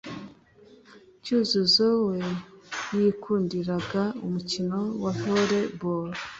Cyuzuzo we yikundiraga umukino wa Volley ball'